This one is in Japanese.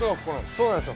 そうなんですよ。